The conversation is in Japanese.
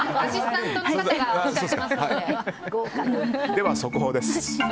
では速報です。